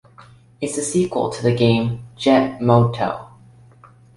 It is the sequel to the game "Jet Moto".